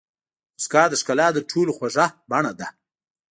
موسکا د ښکلا تر ټولو خوږه بڼه ده.